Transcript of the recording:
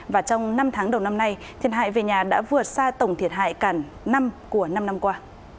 và trong năm tháng đầu năm nay thiệt hại về nhà đã vượt xa tổng thiệt hại cả năm của năm năm qua